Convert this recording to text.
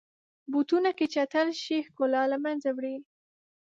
بوټونه که چټل شي، ښکلا له منځه وړي.